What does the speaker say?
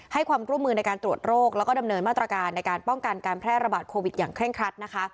ให้ความร่วมมือในการตรวจโรคแล้วก็ดำเนินมาตรการในการป้องกันการแพร่ระบาดโควิดอย่างเคร่งครัดนะคะ